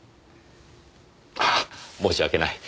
ああ申し訳ない。